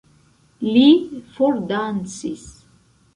Li fordancis.